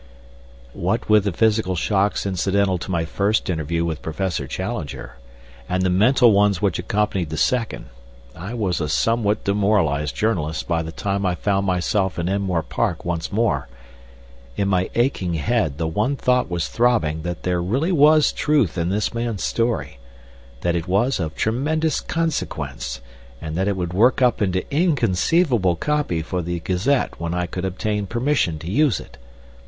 What with the physical shocks incidental to my first interview with Professor Challenger and the mental ones which accompanied the second, I was a somewhat demoralized journalist by the time I found myself in Enmore Park once more. In my aching head the one thought was throbbing that there really was truth in this man's story, that it was of tremendous consequence, and that it would work up into inconceivable copy for the Gazette when I could obtain permission to use it.